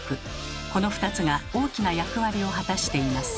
この２つが大きな役割を果たしています。